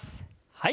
はい。